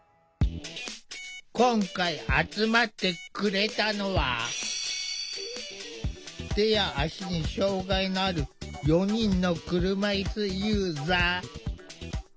今回集まってくれたのは手や足に障害のある４人の車いすユーザー。